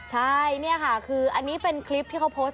ใช่นี่ค่ะคืออันนี้เป็นคลิปที่เขาโพสต์